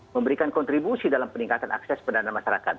memberikan kontribusi dalam peningkatan akses ke dana masyarakat